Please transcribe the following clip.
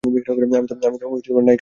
আমি তো নায়িকা হতে চেয়েছিলাম।